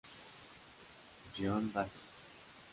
John Bassett.